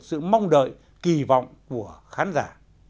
sự mong đợi kỳ vọng của khán giả